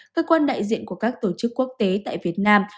cơ quan đại diện của các tổ chức quốc tế tại việt nam